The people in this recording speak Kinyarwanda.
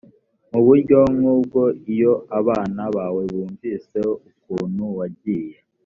mu buryo nk ubwo iyo abana bawe bumvise ukuntu wagiye